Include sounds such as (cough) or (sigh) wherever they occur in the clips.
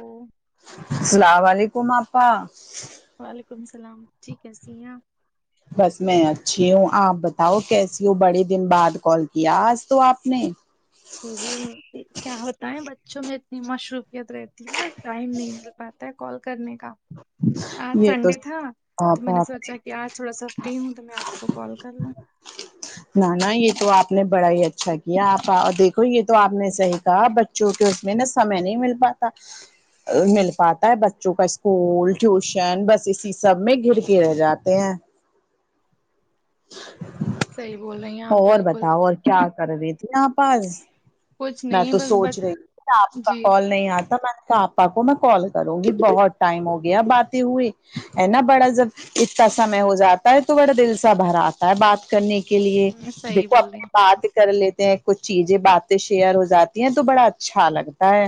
او سلام و علیکم آپا وعلیکم السلام جی کیسی ہے آپ بس میں اچھی ہوں آپ بتاؤ کیسی ہو بڑے دن بعد کال کیا آج تو آپ نے جی جی کیا ہوتا ہے بچوں میں اتنی مشروفیت رہتی ہے نا ٹائم نہیں مل پاتا ہے کال کرنے کا آج یہ تو سنڈے تھا تو میں آپا نے آپ سوچا کہ آج تھوڑا سا فری ہوں تو میں آپ کو کال کر لوں نہ نا یے تو آپ نے بڑا ہی اچھا کیا آپا دیکھو یے تو آپ نے صحیح کہا بچ چو کہ اس میں نا سمے نہیں مل پاتا مل پاتا ہے بچوں کا اسکول ٹیوشن بس اسی سب میں گر کے رہ جاتے ہیں صحیح بول رہی ہیں آپ اور بالکل بتاؤ اور کیا کر رہی تھی آپا آج کچھ میں نہیں تو بس سونچ بچ رہی آپ کا جی کال نہیں آتا میں پا کو میں کال کرونگی بہت ٹائم ہو گیا باتیں ہوے ہے نہ بڑا زف اتنا سمے ہو جاتا ہے تو بڑا دل سے تا بھر آتا ہے بات کرنے کے لیے ہم، صحیح دیکھو بول رہی اپن ہیں آپ بات کر لیتے ہیں کچھ چیزیں باتیں شیئر ہو جاتی ہیں تو بڑا اچھا لگتا ہے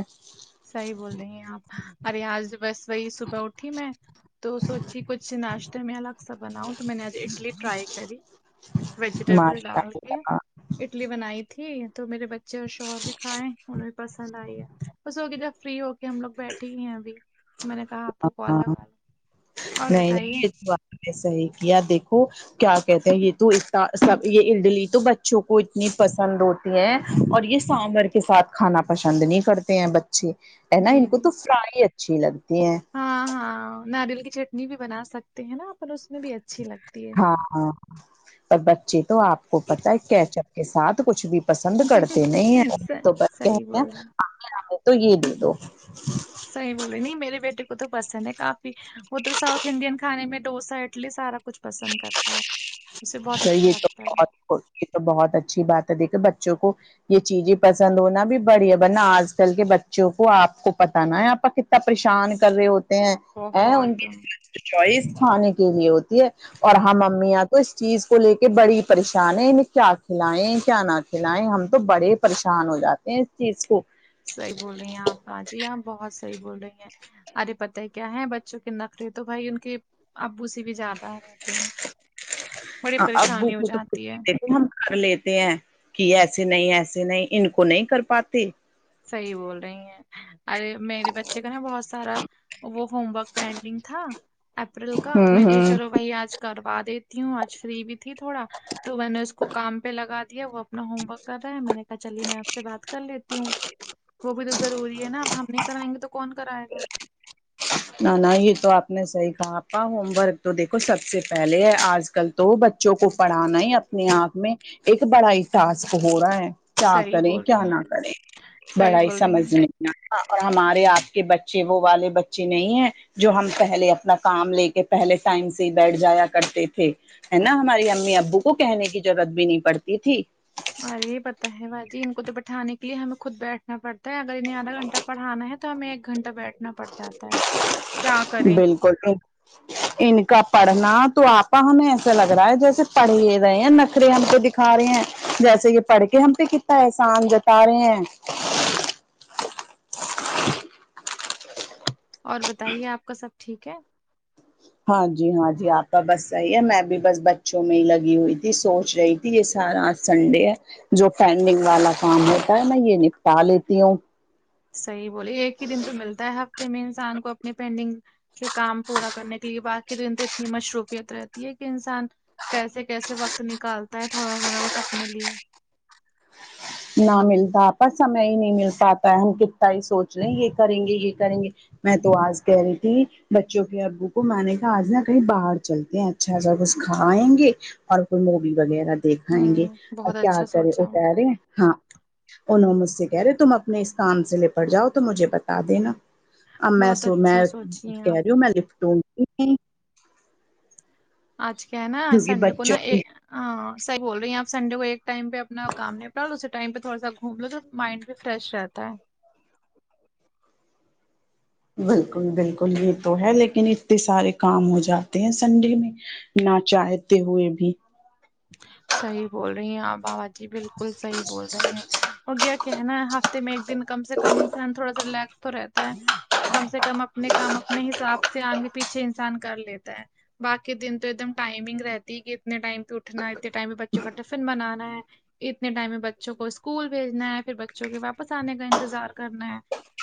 صحیح بول رہی ہیں آپ ارے آج بس وہی صبح اٹھی میں تو سوچی کچھ ناشتے میں الگ سہ بناؤ تو میں نے آج اٹلی ٹرائی کری ویجیٹیبل ماشاء ڈال کے اللہ اٹلی بنائی تھی تو میرے بچے اور شوہر بھی کھائے انہیں بھی پسند آئی ہے چو کے (unintelligible) ہوکے جب فری ہوکے ہم لوگ بیٹھی ہوئی ہیں ابھی میں نے کہا آپ کو کال ہاں لگاو نہیں نہیں یہ تو آپ نے صحیح کیا دیکھو کیا کہتے ہیں یے تو اتا سب یے اٹلی تو بچوں کو اتنی پسند ہوتی ہیں اور یے سامبر کے ساتھ کھانا پسند نہیں کرتے ہیں بچ اج ہے نا جی ان کو جی تو فرائی اچھی لگتی ہیں ہاں ہاں ناریل کی چٹنی بھی بنا سکتے ہیں نا اپن اس میں بھی اج ہاں ہاں پر بچے تو آپ کو پتا ہے کیچ اپ کے ساتھ کچھ بھی پسند کرتے نہیں ہے یے تو س- بچہ صحیح ہوتے بول رہی ہیں ہے (unintelligible) تو یے دے دو صحیح بول رے نئی میری بیٹی کو تو پسند کا وہ تو ساتھ انڈین کھانے میں ڈوسہ اٹلی سارا کچھ پسند کرتا ہے اسے بہت تو اچھا یہ تو لگتا ہے بہت یہ تو بہت اچھی بات ہے دیکھے بچوں کو یہ چیزیں پسند ہونا بھی بڑھیا ورنہ آج کل کے بچوں کو آپ کو پتا ہے نہ آپ کتنا پریشان کر رہے ہوتے ہیں ان کی بہت (unintelligible) چوائس کھانے کے لیے ہوتی ہے اور ہم امیاں تو اس چیز کو لےکے بڑی پریشان ہے انہیں کیا کھلائے کیا نہ کھلائیں ہم تو بڑے پریشان ہو جاتے ہیں اس چیز کو صحیح بول رہی ہیں آپ باجی ہاں بہت صحیح بول رہی ہیں ارے پت ہی کیا ہے بچوں کے نخرے تو بھائی ان کے ابو سے بھی زیادہ رہتے ہیں بڑی ابو پریشانی ہو کو تو جاتی ہے ہم کر لیتے ہیں کہ ایسے نہیں ایسے نہیں ان کو نہیں کر پاتے صحیح بول رہی ہیں ارے میرے بچے کا نا بہت سارا وہ ہوم ورک پینڈنگ تھا اپریل کا تو ہوں میں کہی ہوں چلو بھائی آج کروا دیتی ہوں آج فری بھی تھی تھوڑا تو میں نے اس کو کام پہ لگا دیا وہ اپنا ہوم ورک کر رہے ہیں میں نے کہا چلیے میں آپ سے بات کر لیتی ہوں وہ بھی تو ضروری ہے نا اب ہم نہیں کرائیں گے تو کون کرائے گا نہ نہ یہ تو آپ نے صحیح کہا آپا ہوم ورک تو دیکھو سب سے پہلے ہے آج کل تو بچ بچوں کو پڑھانا ہی اپنے آپ میں ایک بڑا ہی ٹاسک ہو رہا ہے کیا صحیح کریں بول رہی کیا نہ ہیں کریں صحیح بڑا ہی بول رہی ہیں سمجھنے اور ہمارے آپ کے بچے وہ والے بچے نہیں ہے جو ہم پہلے اپنا کام لےکے پہلے ٹائم سے بیٹھ جایا کرتے تھے ہے نا ہماری امی ابو کو کہنے کی ضرورت بھی نہیں پڑتی تھی ارے پتا ہے باجی ان کو تو بیٹھانے کے لیے ہمیں خود بیٹھنا پڑتا ہے اگر انہیں آدھا گھنٹہ پڑانا ہے تو تو ہمیں ایک گھنٹہ بیٹھنا پڑ جاتا ہے کیا کریں (unintelligible) ان کا پڑھنا تو آپا ہمیں ایسا لگ رہا ہے جیسے پڑھے یہ رہے ہیں نخرے ہم کو دکھ دیکھا رہے ہیں جیسے یہ پڑھ کے ہم پے کتا احسان جاتا رہے ہیں اور بتائیے آپ کا سب ٹھیک ہے ہاں جی ہاں جی آپ کا بس صحیح ہے میں بھی بس بچوں میں ہی لگی ہوئی تھی سونچ رہی تھی یہ سارا سنڈے ہے جو پینڈنگ والا کام ہوتا ہے میں یہ نپٹا لیتی ہوں صحیح بولیے ایک ہی دن تو ملتا ہے ہفتے میں انسان کو اپنی پینڈنگ کے کام پورا کرنے کے لیے باقی دن تو اتنی مشروفیت رہتی ہے کہ انسان کیسے کیسے وقت نکالتا ہے تھوڑا مروت اپنے لیے نہ ملتا آپا سمے ہی نہیں مل پاتا ہے ہم کتنا ہی سوچ رہے یہ کریں گے یہ کریں گے میں تو آج کہہ رہی تھی بچوں کے ابو کو میں نے کہا آج نا کہیں باہر چلتے ہیں اچھا سا کچھ کھائیں گے اور کوئی مووی وغیرہ دیکھائیں گے ہوں اور بہت کیا اچھا کرے وہ سوچا ہے کہہ رہے ہیں ہاں انہوں مجھ سے کہہ رہے تم اپنے اس کام سے نپٹ جاؤ تو مجھے بتا دینا آ میں بہت سو میں اچھا سوچی ہیں آپ کہہ رہی ہو میں لفٹ ہو آج کیا ہے نا کیونکہ سنڈے کو بچوں نا کی سحی بول رہی ہیں آپ سنڈے کو ایک ٹائم پہ اپنا کام نپٹا لو اسی ٹائم پہ تھوڑا سا گھوم لو تو مائنڈ بھی فریش رہتا ہے بالکل بالکل یہ تو ہے لیکن سارے کام ہو جاتے ہیں سنڈے میں ناچاہتے ہوئے بھی صحیح بول رہی ہیں بابا جی بالکل صحیح بول رہی ہیں ہو گیا کیا ہے نا ہفتے میں ایک دن کم سے کم انسان تھوڑا سا ریلیکس تو رہتا کم سے کم اپنے کام اپنے حساب سے آگے پیچھے انسان کر لیتا ہے باقی دن تو ایک دم ٹائمنگ رہتی ہے کہ اتنے ٹائم پی اٹھ اٹھنا ہے اتنے ٹائم میں بچوں کا ٹفن بنانا ہے اتنے ٹائم میں بچوں کو اسکول بھیجنا ہے پھر بچوں کے واپس آنے کا انتظار کرنا ہے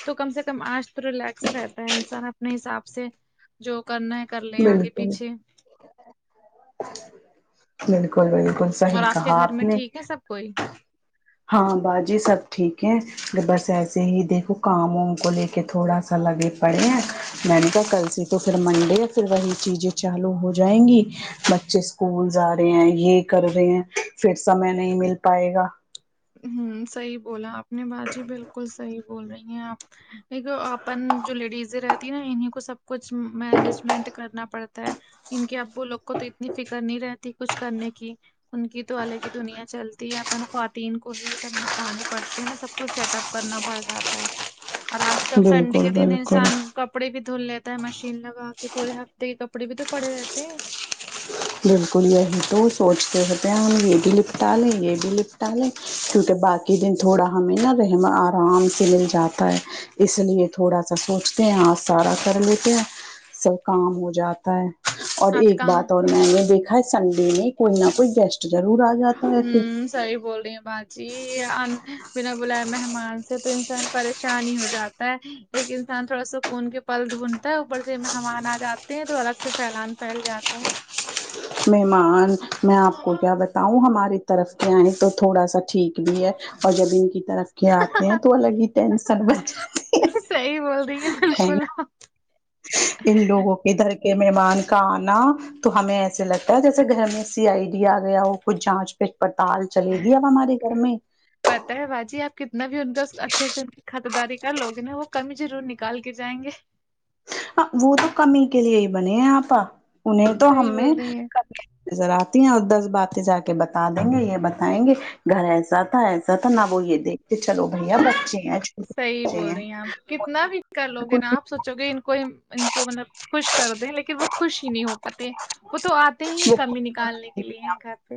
تو کم سے کم آج تو ریلیکس رہتا ہے انسان اپنے حساب سے جو کرنا ہے کر لے آ گے بالکل پیچھے بالکل بالکل اور صحیح آپ کے کہا گھر میں نے ٹھیک ہے سب کوئی ہاں باجی سب ٹھیک ہے بس ایسے ہی دیکھو کاموں ان کو لے کے تھوڑا سا لگے پڑے ہیں میں نے کہا کل سے تو پھر منڈے یا پھر وہی چیزیں چالو ہو جائیں گی بچے اسکول جا رہے ہیں یہ کر رہے ہیں پھر سمے نہیں مل پائے گا ہوں صحیح بولا آپ نے باجی بالکل صحیح بول رہی ہیں آپ ایک اپن جو لیڈیزیں رہتی ہے نا انہیں کو سب کچھ مینجمنٹ کرنا پڑتا ہے ان کے ابو لوگ کو تو اتنی فکر نہیں رہتی کچھ کرنے کی ان کی تو الگ ہی دنیا چلتی ہے اپن خوا تین کو ہی سب نپٹانے پڑتے ہیں نا سب کچھ سیٹ اپ کرنا پڑ جاتا ہے اور آج کب سنڈے کے بالکل دن بالکل انسان کپڑے بھی دھل لیتا ہے مشین لگا کے پورے ہفتے کے کپڑے بھی تو پڑے رہتے ہیں بالکل یہی تو سوچتے ہوتے ہم یہ بھی لپٹا لیں یہ بھی لپٹا لیں کیونکہ باقی دن تھوڑا ہمیں نا رہم آرام سے مل جاتا ہے اس لیے تھوڑا سا سوچتے ہیں آج سارا کر لیتے ہیں سب کام ہو جاتا ہے اور آج ایک کہاں بات اور میں نے دیکھا ہے سنڈے میں کوئی نہ کوئی گیسٹ ضرور آ جاتا ہے پھر ہوں صحیح بول رہی ہیں باجی بنا بلائے مہمان سے تو انسان پریشان ہی ہو جاتا ہے ایک انسان تھوڑا سو کون کے پل دھنتا ہے اوپر سے مہمان آ جاتے ہیں تو الگ سے پھیلان پھیل جاتا ہے مہمان میں آپ کو کیا بتاؤں ہماری طرف کے آئئے تو تھوڑا سا ٹھیک بھی ہے اور جب ان کی طرف کے آتے ہیں تو الگ ہی ٹینسن بچ جاتے ہے صحیح بول رہی ہے بالکل آپ ان لوگوں کے ادھر کے مہمان کا آنا تو ہمیں ایسے لگتا ہے جیسے گھر میں سی آئ دی آ گیا وہ کچھ جانچ پیچ پڑتال چلے گی اب ہمارے گھر میں پتاہ ہے باجی آپ کتنا بھی ان کا اچھے سے ان کی خطرداری کا لوگ ہے وہ کمی ضرور نکال کے جائیں گے وہ تو کمی کے لیے ہی بنے ہیں آپا انہیں تو صحیح ہمیں بول رہی ہیں نظر آتی ہیں اور دس باتیں جا کے بتا دیں گے یہ بتائیں گے گھر ایسا تھا ایسا نہ وہ یہ دیکھتے چلو بھائی بچے ہے چھوٹے صحیح بچے بول ہے رہی ہیں آپ کتنا بھی کر لو گے نا آپ سوچو گے ان کو ان کو مطلب خوش کر دیں لیکن وہ خوش ہی نہیں ہو پاتے وہ تو آتے ہی کمی نکالنے کے لیے ہے گھر پہ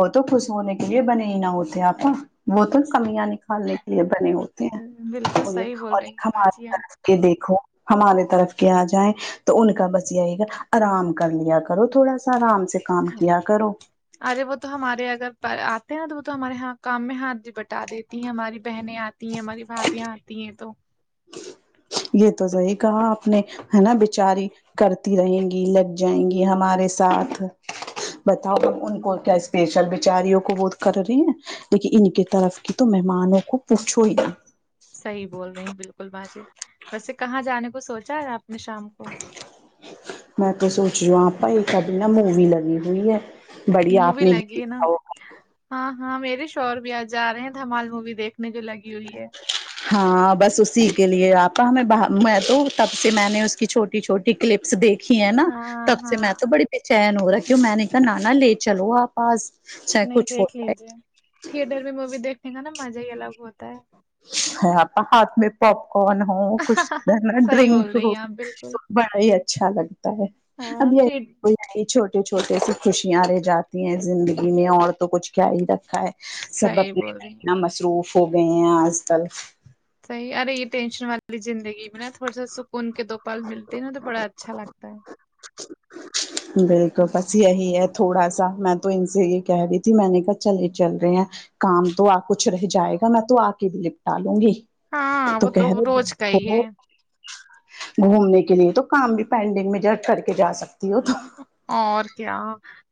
وہ تو خوش ہونے کے لیے بنے ہی نہ ہوتے آپا وہ تو نا کمیاں نکالنے کے لیے بنے ہوتے ہیں بالکل انہیں صحیح بول اور رہی ایک ہیں ہمارے باجی آپ طر کہ دیکھو ہمارے طرف کے آ جائیں تو ان کا بس یہی گا آرام کر لیا کرو تھوڑا سا آرام سے کام کیا کرو ارے وہ تو ہمارے اگر آتے ہیں تو وہ تو ہمارے یہاں کام میں ہاتھ بھی بٹا دیتی ہیں ہماری بہنیں آتی ہیں ہماری بھابیاں آتی ہیں تو یہ تو صحیح کہا آپ نے ہے نا بچاری کرتی رہیں گی لگ جائیں گی ہمارے ساتھ بتاؤ اب ان کو کیا اسپیشل بچاریوں کو وہ (unintelligible) کر رہے ہیں لیکن ان کے طرف کی تو مہمانوں کو پوچھو ہی نا صحیح بول رہی ہیں بالکل باجی ویسے کہاں جانے کو سوچا ہے آپ نے شام کو میں تو سوچ ری یو آپا ایک ابھی نہ مووی لگی ہوئی ہے بڑھیا آپ مووی نے بھی لگ نا دیکھا ہوگا ہاں ہاں میرے شوہر بھی آج جا رہے ہیں دھمال مووی دیکھنےجو لگی ہوئی ہے ہاں بس اسی کے لیے آپا ہمیں تو تب سے میں نے اس کی چھوٹی چھوٹی کلپس دیکھی ہے نا ہاں تب سے میں ہاں تو بڑی بے چین ہو رہا کیوں میں نے کہا نانا لے چلو آپ پاس چاہے نہیں کچھ دیکھ ہوتا ہے لیجیے تھیٹر میں مووی دیکھنے کا نا مزہ ہی الگ ہوتا ہے ہے آپا ہاتھ میں پاپ کارن ہو کچھ ہے نا صحیح بول ڈرنک رہی ہو ہیں آپ بالکل تو بڑا ہی اچھا لگتا ہے اب ہاں یہی تھری وہ چھوٹے چھوٹے سے خوشیاں رہ جاتی ہیں زندگی میں اور تو کچھ کیا ہی رکھا ہے سب صحیح اپنے بول میں رہی ہیں اتنا مصروف ہو گئے ہیں آج کل صحی ارے یے ٹینشن والی زندگی میں نا تھوڑا سا سوک کن کے دو پل ملتے ہیں نا تو بڑا اچھا لگتا ہے بالکل بس یہی ہے تھوڑا سا میں تو ان سے یے کہہ رہی تھی میں نے کہا چلے چل رہے ہیں کام تو آ کچھ رہ جائے گا میں تو آ کے بھی لپٹا لوں گی ہاں تو وہ کہے رہے روز کا (unintelligible) ہی کرو ہے گھومنے کے لیے تو کام بھی پینڈنگ میں ج کر کے جا سکتی ہو تو اور کیا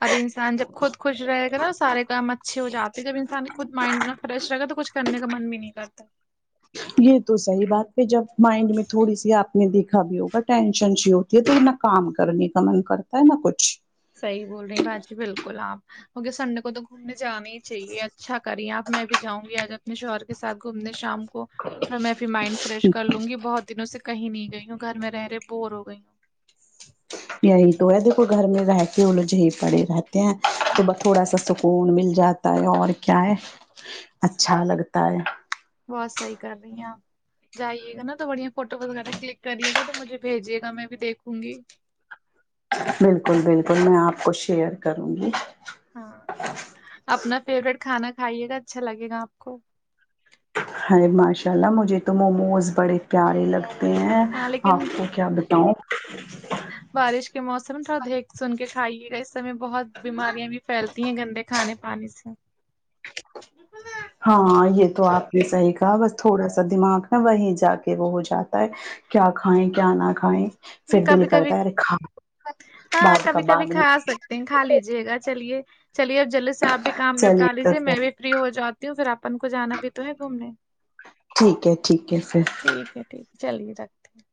ارے انسان جب خود خوش رہے سارے کام اچھے ہو جاتے جب انسان خود مائنڈ نا فریش رہ گا تو کچھ کرنے کا من بھی نہیں کرتا یے تو صحیح بات پے جب مائنڈ میں تھوڑی سی آپ نے دیکھا بھی ہوگا ٹینشن شی ہوتی ہے تو نہ کام کرنے کا من کرتا ہے نہ کچھ صحی بول رہی باجی بالکل آپ مگر سنڈے کو تو گھومنے جانا ہی چاہیے اچھا کری آپ میں بھی جاؤں گی آج اپنے شوہر کے ساتھ گھومنے شام کو تھوڑا میں فیر مائنڈ فریش کر لوں گی بہت دنوں سے کہیں نہیں گئی ہوں گھر میں رہے رہے بور ہو گئی ہوں یہی تو ہے دیکھو گھر میں رہتے وہ لو جی پڑے رہتے ہیں تو ب تھوڑا سا سک کن مل جاتا ہے اور کیا ہے اچھا لگتا ہے بات صحیح کر رہی ہے آپ جائیے گا نا تو بڑھیا فوٹو وغیرہ کلک کریے گا تو مجھے بھیجیےگا میں بھی دیکھوں گی بالکل بالکل میں آپ کو شیئر کروں گی ہاں اپنا فیوروریٹ کھانا کھائیے گا اچھا لگے گا آپ کو ہاے ماشاء اللہ مجھے تو موموز بڑے پیارے لگتے ہیں ہاں آپ لیکن کو کیا بتاؤ بارش کے موسم تھوڑا دیکھ سن کے کھائیے گا اس سمے بہت بیماریاں بھی فیلتی ہیں گندے کھانے پانی سے ہاں یے تو آپ نے صحیح کہا بس تھوڑا سا دماغ نا وہیں جا کے وہ ہو جاتا ہے کیا کھائیں کیا نہ کھائیں یے پھر کبھی دل کبھی کرتا ہے ارے کھا ہاں بعد کا کبھی کبھی بعد میں کھا سکت تے کھا لیجے گا چلیے چلیے اب جلدی سے سے آپ بھی کام چلیے نپٹا تو لیجیے میں پھر بھی فری ہو جاتی ہوں فیر اپن کو جانا بھی تو ہے گھومنے ٹھیک ہے ٹھیک ہے فیر ٹھیک ٹھیک چلیے رکھتے ہیں